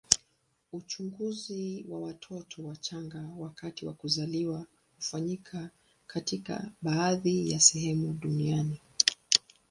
Uchunguzi wa watoto wachanga wakati wa kuzaliwa hufanyika katika baadhi ya sehemu duniani.